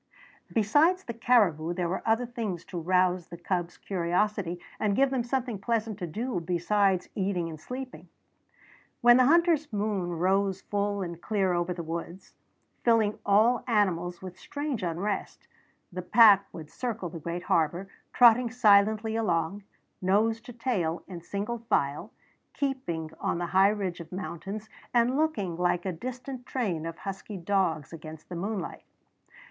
Besides the caribou there were other things to rouse the cubs' curiosity and give them something pleasant to do besides eating and sleeping. When the hunter's moon rose full and clear over the woods, filling all animals with strange unrest, the pack would circle the great harbor, trotting silently along, nose to tail in single file, keeping on the high ridge of mountains and looking like a distant train of husky dogs against the moonlight.